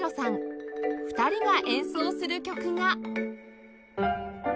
２人が演奏する曲が